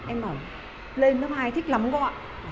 em bảo lên lớp hai thích lắm không ạ